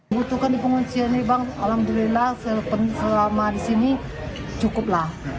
butuhkan di pengungsian ini bang alhamdulillah selama di sini cukup lah